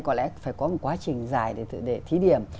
có lẽ phải có một quá trình dài để thí điểm